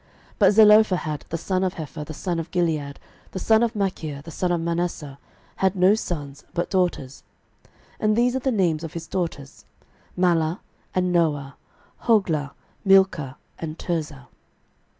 06:017:003 But Zelophehad, the son of Hepher, the son of Gilead, the son of Machir, the son of Manasseh, had no sons, but daughters: and these are the names of his daughters, Mahlah, and Noah, Hoglah, Milcah, and Tirzah.